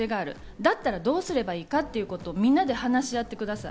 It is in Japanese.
だったらどうすればいいかということをみんなで話し合ってください。